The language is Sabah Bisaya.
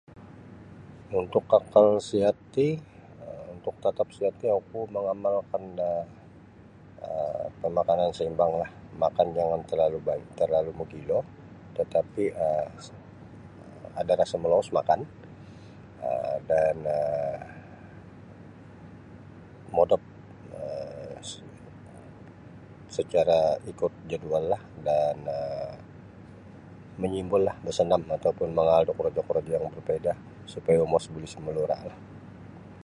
Untuk kakal sihat ti um untuk tatap sihat ti oku mangamalkan da um pamakanan saimbang lah makan jangan terlalu ban terlalu mogilo tetapi um ada rasa molous makan um dan um modop um se-secara ikut jadualah dan um minyimbulah bersanam ataupu mangaal da korojo-korojo yang barpaidah supaya umos buli samuluralah.